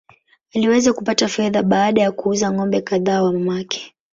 Aliweza kupata fedha baada ya kuuza ng’ombe kadhaa wa mamake.